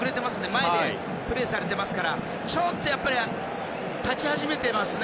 前でプレーされてますからちょっと立ち始めてますね